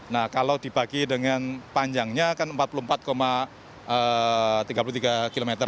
nah kalau dibagi dengan panjangnya kan empat puluh empat tiga puluh tiga km